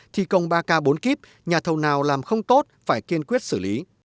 thi công ba k bốn kip nhà thầu nào làm không tốt phải kiên quyết xử lý